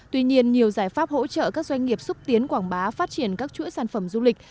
tuy nhiên nhiều giải pháp hỗ trợ các doanh nghiệp xúc tiến quảng bá phát triển các chuỗi sản phẩm du lịch